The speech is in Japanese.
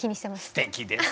すてきです。